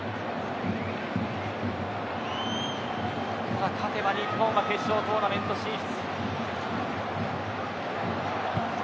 ただ、勝てば日本は決勝トーナメント進出。